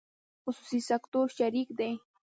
خصوصي سکتور شریک دی